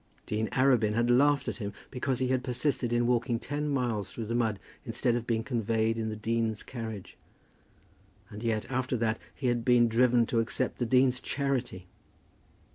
Dean Arabin had laughed at him because he had persisted in walking ten miles through the mud instead of being conveyed in the dean's carriage; and yet, after that, he had been driven to accept the dean's charity!